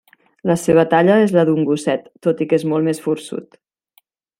La seva talla és la d'un gosset, tot i que és molt més forçut.